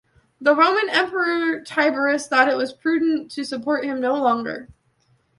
The Roman emperor Tiberius thought it was prudent to support him no longer.